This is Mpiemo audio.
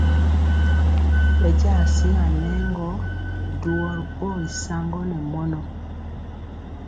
Bɛnja siaŋ nɛ gɔ duwɔ ri pɔgi saŋgɔ ne mɔnɔ.